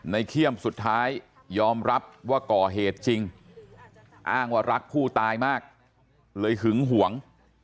เขี้ยมสุดท้ายยอมรับว่าก่อเหตุจริงอ้างว่ารักผู้ตายมากเลยหึงหวง